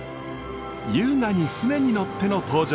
優雅に船に乗っての登場！